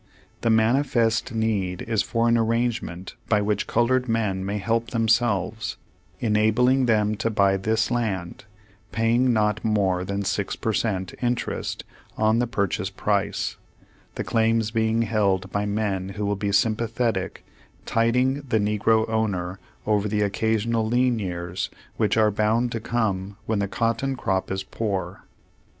The manifest need is for an arrange ment by which colored men may help themselves, enabling them to buy this land, paying not more than six per cent, interest on the purchase price, the claims being held by men v/ho will be sym pathetic, tiding the negro ov/ner over the occa sional lean years which are bound to come v/hen Page Two Hundred six the cotton crop is poor.